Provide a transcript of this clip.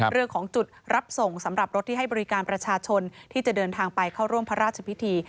เรื่องของจุดรับส่งสำหรับรถที่ให้บริการประชาชนที่จะเดินทางไปเข้าร่วมพระราชพิธี